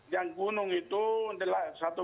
yang gunung itu